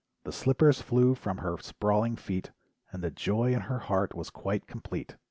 The slippers flew from her sprawling feet, And the joy in her heart was quite complete.